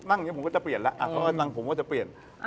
สงสัยใช่ไหม